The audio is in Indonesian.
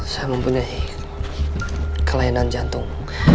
saya mempunyai kelainan jantung